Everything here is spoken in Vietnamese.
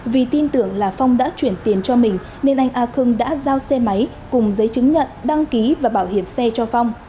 vì tin tưởng là phong đã chuyển tiền cho mình nên anh a khương đã giao xe máy cùng giấy chứng nhận đăng ký và bảo hiểm xe cho phong